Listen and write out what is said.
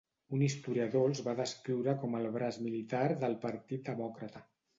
Un historiador els va descriure com el braç militar del Partit Demòcrata.